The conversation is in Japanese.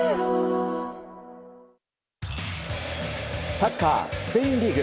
サッカー、スペインリーグ。